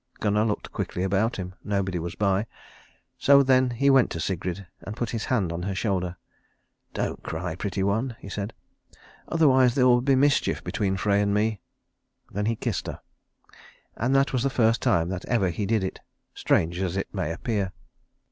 Gunnar looked quickly about him. Nobody was by. So then he went to Sigrid, and put his hand on her shoulder. "Don't cry, pretty one," he said, "otherwise there will be the mischief between Frey and me." Then he kissed her; and that was the first time that ever he did it, strange as it may appear.